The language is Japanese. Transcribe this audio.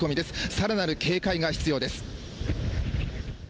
さらなる警戒が必要です。